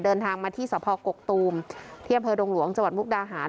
เดินทางมาที่สะพาวกกตูมเที่ยวเผอดงหลวงจมุกดาหาร